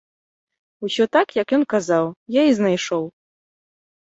Усё так, як ён казаў, я і знайшоў.